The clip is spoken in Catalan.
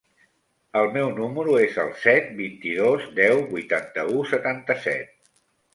El meu número es el set, vint-i-dos, deu, vuitanta-u, setanta-set.